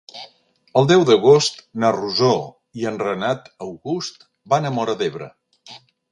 El deu d'agost na Rosó i en Renat August van a Móra d'Ebre.